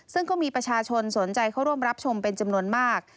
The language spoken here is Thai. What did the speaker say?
ซึ่งก็มีประชาชนสนใจเข้าร่วมรับชมเป็นจำนวนมาก